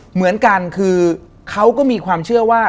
เหมือนกันคือเขาก็มีความเชื่อว่า